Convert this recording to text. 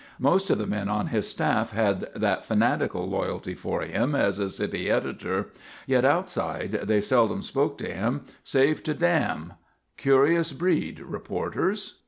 Most of the men on his staff had that fanatical loyalty for him as a city editor; yet outside they seldom spoke of him save to damn. Curious breed, reporters.